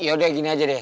ya udah gini aja deh